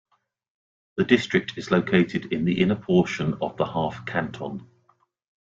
The district is located in the inner portion of the half canton.